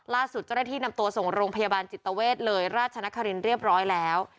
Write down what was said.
ล่าสุดเจ้าหน้าที่นำตัวส่งโรงพยาบาลจิตเวทเลยราชนครินเรียบร้อยแล้ว